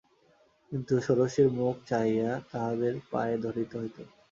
কিন্তু ষোড়শীর মুখ চাহিয়া তাহাদের পায়ে ধরিতে হইত।